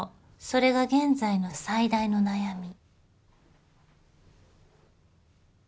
それが現在の最大の悩み。